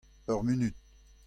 Ur munud.